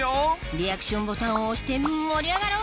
リアクションボタンを押して盛り上がろう！